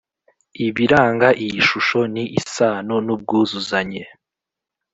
Ibiranga iyi shusho ni isano n ubwuzuzanye